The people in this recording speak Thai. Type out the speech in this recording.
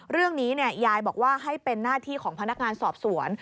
เรื่องนี้ยายบอกว่าให้เป็นหน้าที่ของพนักงานสอบสวน